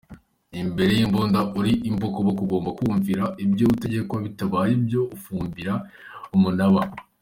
imbere y’Imbunda uri imbokoboko ugomba kumvira ibyo utegekwa bitabaye ibyo ufumbira umunaba.